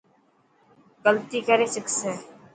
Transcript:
غلطي ڪري سکسي.